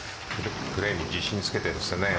プレーに自信つけてるんですね。